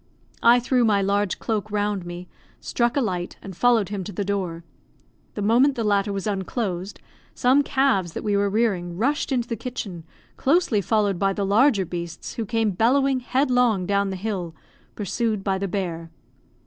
I threw my large cloak round me, struck a light, and followed him to the door. The moment the latter was unclosed, some calves that we were rearing rushed into the kitchen, closely followed by the larger beasts, who came bellowing headlong down the hill, pursued by the bear.